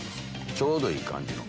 ちょうどいい感じの。